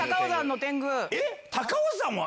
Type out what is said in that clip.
高尾山は。